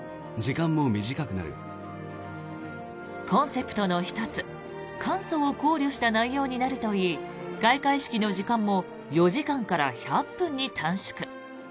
コンセプトの１つ、簡素を考慮した内容になるといい開会式の時間も４時間から１００分に短縮。